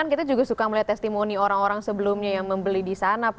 dan kita juga suka melihat testimoni orang orang sebelumnya yang membeli di sana